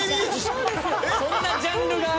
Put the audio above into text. そんなジャンルがある？